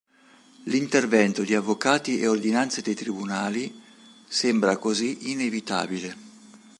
L'intervento di avvocati e ordinanze dei tribunali sembra così inevitabile.